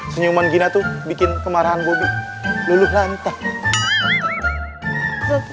senyuman gina tuh bikin kemarahan bobi luluh lantai